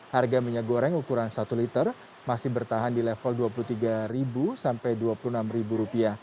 harga minyak goreng ukuran satu liter masih bertahan di level rp dua puluh tiga sampai rp dua puluh enam